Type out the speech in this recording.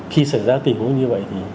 khi xảy ra tình huống như vậy